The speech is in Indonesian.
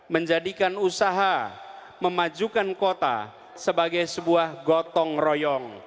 menjadikan usaha memajukan kota sebagai sebuah gotong royong